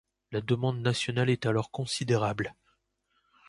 La demande nationale est alors considérable.